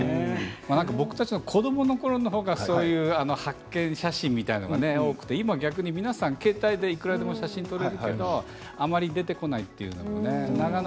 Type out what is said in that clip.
僕らの子どものころの方が発見写真みたいなのが多くて今、皆さん携帯でいくらでも写真撮れるけどあまり出てこないというのもね。